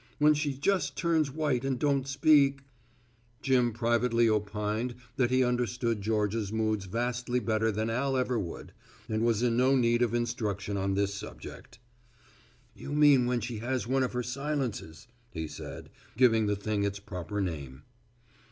When she just turns white and don't speak " Jim privately opined that he understood Georgia's moods vastly better than Al ever would, and was in no need of instruction on this subject. "You mean when she has one of her silences," he said, giving the thing its proper name.